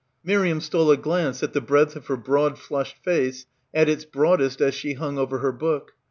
Miriam stole a glance at the breadth of her broad flushed face, at its broadest as she hung over her book.